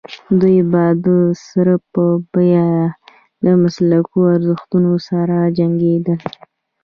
دوی به د سر په بیه له مسلطو ارزښتونو سره جنګېدل.